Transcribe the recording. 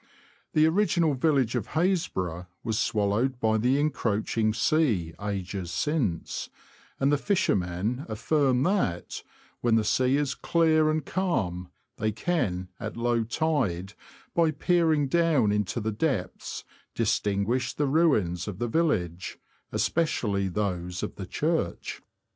The original village of Hasbro' was swallowed by the encroaching sea ages since, and the fishermen affirm that, when the sea is clear and calm, they can, at low tide, by peering down into the depths, distinguish the ruins of the village, especially those of the .church.